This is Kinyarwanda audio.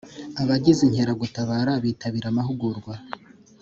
Abagize Inkeragutabara bitabira amahugurwa.